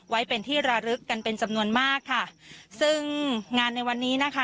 ไว้เป็นที่ระลึกกันเป็นจำนวนมากค่ะซึ่งงานในวันนี้นะคะ